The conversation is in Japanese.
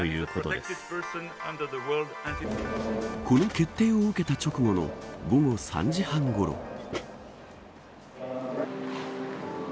この決定を受けた直後の午後３時半ごろ。